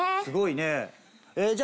すごいねえ。